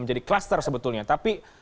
menjadi klaster sebetulnya tapi